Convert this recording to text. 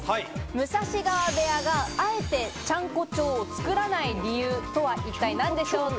武蔵川部屋があえて、ちゃんこ長を作らない理由とは一体何でしょうか。